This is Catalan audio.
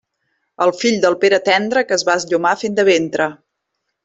El fill del Pere Tendre, que es va esllomar fent de ventre.